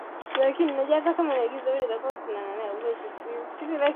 virusi vya ukimwi vinasambaa kwa kasi kubwa sana